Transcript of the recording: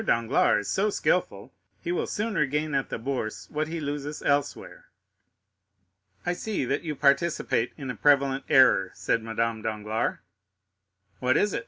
Danglars is so skilful, he will soon regain at the Bourse what he loses elsewhere." "I see that you participate in a prevalent error," said Madame Danglars. "What is it?"